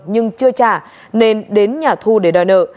nhưng chưa trả nên đến nhà thu để đòi nợ